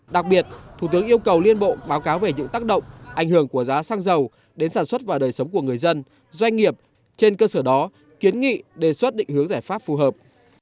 đặc biệt thủ tướng yêu cầu liên bộ báo cáo về những tác động ảnh hưởng của giá xăng dầu đến sản xuất và đời sống của người dân doanh nghiệp trên cơ sở đó kiến nghị đề xuất định hướng giải pháp phù hợp